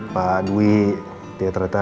pak dwi dia ternyata